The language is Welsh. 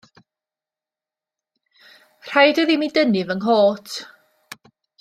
Rhaid oedd i mi dynnu fy nghot.